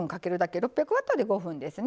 ６００ワットで５分ですね。